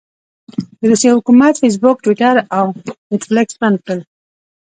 د روسيې حکومت فیسبوک، ټویټر او نیټفلکس بند کړل.